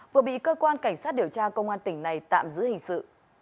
vừa bị cơ quan cảnh sát điều tra công an tỉnh này tạm giữ hình sự